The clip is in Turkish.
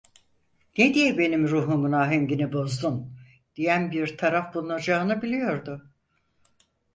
"Ne diye benim ruhumun ahengini bozdun?" diyen bir taraf bulunacağını biliyordu.